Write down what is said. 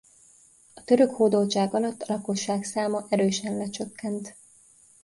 A török hódoltság alatt a lakosság száma erősen lecsökkent.